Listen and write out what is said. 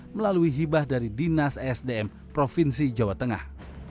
melalui hibah dari dinas esdm provinsi jawa tengah